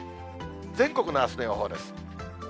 全国のあすの予想です。